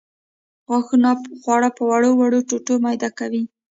غاښونه خواړه په وړو وړو ټوټو میده کوي.